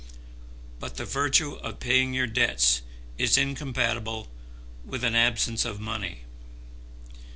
But the virtue of paying your debts is incompatible with an absence of money.